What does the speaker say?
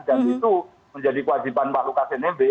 dan itu menjadi kewajiban pak lukas nmb